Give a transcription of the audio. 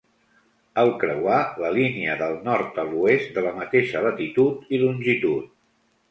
El creua la línia del nord a l'oest de la mateixa latitud i longitud.